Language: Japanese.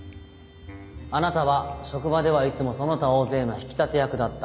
あなたは職場ではいつもその他大勢の引き立て役だった。